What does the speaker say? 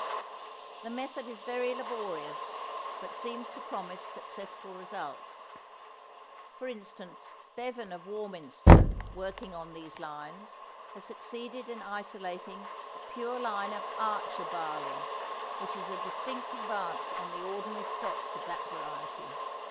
The method is very laborious, but seems to promise successful results. For instance, Beaven of Warminster, working on these lines, has succeeded in isolating a pure line of Archer barley which is a distinct advance on the ordinary stocks of that variety.